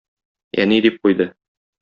Әни! - дип куйды.